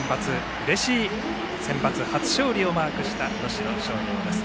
うれしいセンバツ初勝利をマークした能代松陽です。